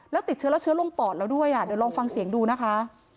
แล้วติดเชื้อแล้วเชื้อลงปอดแล้วด้วยเดี๋ยวลองฟังเสียงดูนะคะ